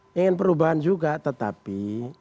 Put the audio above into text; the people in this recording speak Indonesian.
saya ingin perubahan juga tetapi